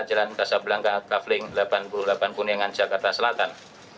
jalan kasablangga kavling delapan puluh delapan puningan jakarta selatan